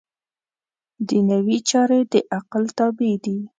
دنیوي چارې د عقل تابع دي.